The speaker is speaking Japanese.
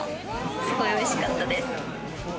すごいおいしかったです。